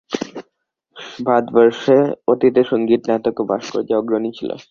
ভারতবর্ষ অতীতে সঙ্গীত, নাটক ও ভাস্কর্যে অগ্রণী ছিল।